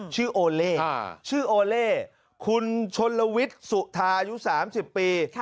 โอเล่ชื่อโอเล่คุณชนลวิทย์สุธาอายุ๓๐ปี